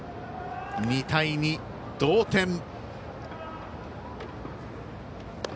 ２対２、同点。